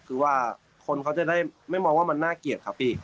คือว่าคนเขาจะได้ไม่มองว่ามันน่าเกลียดครับพี่